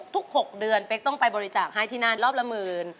๖เดือนเป๊กต้องไปบริจาคให้ที่นั่นรอบละหมื่น